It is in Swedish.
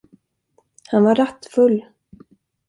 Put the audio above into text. Han var rattfull!